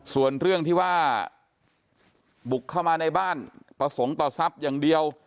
ส่วนเรื่องที่ว่าบุกเข้ามาในบ้านประสงค์ต่อทรัพย์อย่างเดียว